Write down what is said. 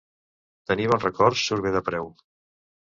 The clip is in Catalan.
Tenir bons records surt bé de preu.